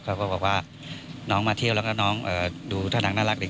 เขาก็บอกว่าน้องมาเที่ยวแล้วก็น้องดูท่าทางน่ารักดี